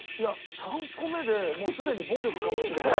３個目でもうすでに暴力かもしれない。